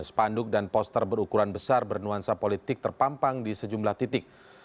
spanduk dan poster berukuran besar bernuansa politik terpampang di sejumlah titik